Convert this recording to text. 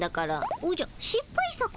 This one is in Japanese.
おじゃしっぱい作とな？